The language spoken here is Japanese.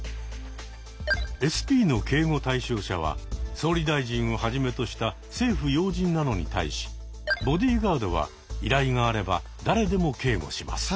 ＳＰの警護対象者は総理大臣をはじめとした政府要人なのに対しボディーガードは依頼があれば誰でも警護します。